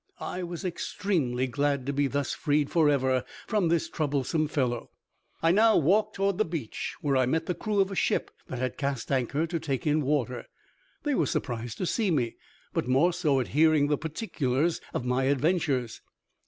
I was extremely glad to be thus freed for ever from this troublesome fellow. I now walked toward the beach, where I met the crew of a ship that had cast anchor to take in water; they were surprised to see me, but more so at hearing the particulars of my adventures.